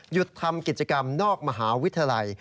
ทำกิจกรรมนอกมหาวิทยาลัย